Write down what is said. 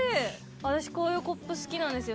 私こういうコップ好きなんですよ。